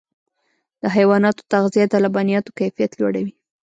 د حیواناتو تغذیه د لبنیاتو کیفیت لوړوي.